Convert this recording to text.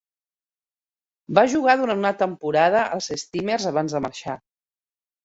Va jugar durant una temporada als Steamers abans de marxar.